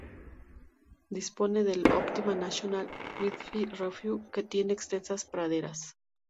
Dispone del "Optima National Wildlife Refuge" que tiene extensas praderas.